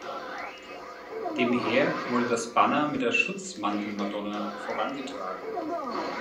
Dem Heer wurde das Banner mit der Schutzmantelmadonna vorangetragen.